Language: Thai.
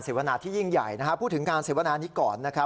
วนาที่ยิ่งใหญ่นะฮะพูดถึงการเสวนานี้ก่อนนะครับ